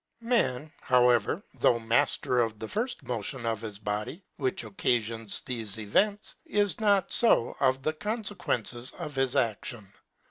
Man, however, though mafter of the nrft motion of his body, which occafions thefe events, is not fo of the confequences of his action.